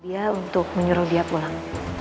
dia untuk menyuruh dia pulang